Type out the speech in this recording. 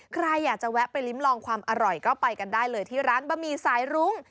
ใครอยากจะแวะไปลิ้มลองความอร่อยก็ไปกันได้เลยที่ร้านบะหมี่สายรุ้ง